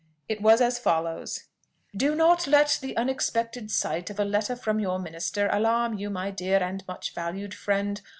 It was as follows: "Do not let the unexpected sight of a letter from your minister alarm you, my dear and much valued friend.